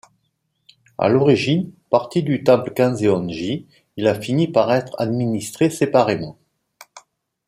À l'origine partie du temple Kanzeon-ji, il a fini par être administré séparément.